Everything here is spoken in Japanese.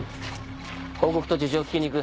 報告と事情を訊きにいく。